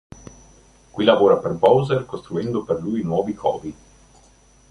Qui lavora per Bowser costruendo per lui nuovi covi.